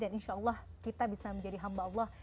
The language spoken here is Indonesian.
dan insya allah kita bisa menjadi hamba allah